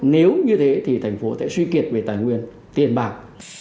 nếu như thế thì thành phố sẽ suy kiệt về tài nguyên tiền bạc